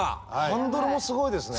ハンドルもすごいですね。